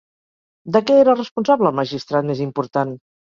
De què era responsable el magistrat més important?